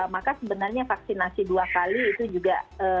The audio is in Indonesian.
maka sebenarnya vaksinasi dua kali itu juga